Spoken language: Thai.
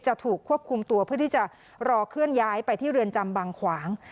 จะถูกควบคุมตัวเพื่อที่จะรอเคลื่อนย้ายไปที่เรือนจำบางขวาง